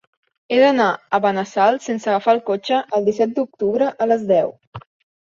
He d'anar a Benassal sense agafar el cotxe el disset d'octubre a les deu.